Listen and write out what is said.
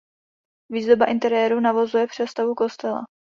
Výzdoba interiéru navozuje představu kostela.